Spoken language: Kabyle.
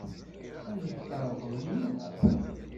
Ad ak-t-terḍel Linda.